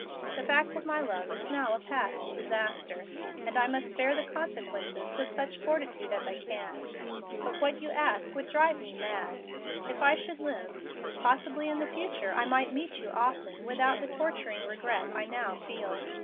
The fact of my love is now a past disaster, and I must bear the consequences with such fortitude as I can. But what you ask would drive me mad. If I should live, possibly in the future I might meet you often without the torturing regret I now feel.